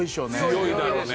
強いだろうね。